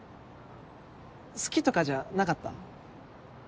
好きとかじゃなかった？